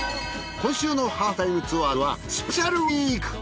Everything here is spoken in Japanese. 今週の『ハーフタイムツアーズ』はスペシャルウィーク！